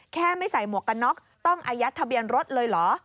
ไม่ใส่หมวกกันน็อกต้องอายัดทะเบียนรถเลยเหรอ